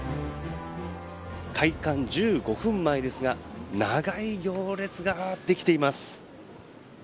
開館１５分前ですが長い行列ができています。